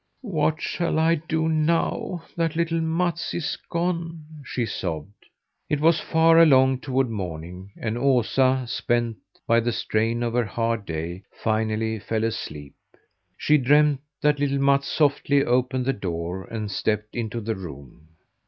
"What shall I do now that little Mats is gone?" she sobbed. It was far along toward morning and Osa, spent by the strain of her hard day, finally fell asleep. She dreamed that little Mats softly opened the door and stepped into the room.